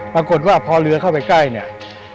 ปรากฏว่าพอเรือเข้าไปใกล้เนี่ย